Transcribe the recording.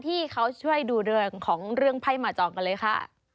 ที่เขาช่วยดูเรื่องของเรื่องไพ่มาจองกันเลยค่ะ